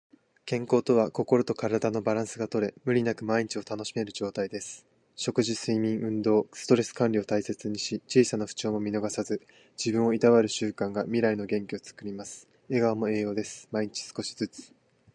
健康とは、心と体のバランスがとれ、無理なく毎日を楽しめる状態です。食事、睡眠、運動、ストレス管理を大切にし、小さな不調も見逃さず、自分をいたわる習慣が未来の元気をつくります。笑顔も栄養です。毎日少しずつ。